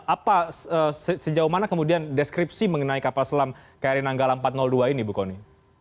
apa sejauh mana kemudian deskripsi mengenai kapal selam kri nanggala empat ratus dua ini bu kony